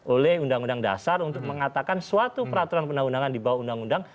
oleh undang undang dasar untuk mengatakan suatu peraturan undang undangan di bawah undang undang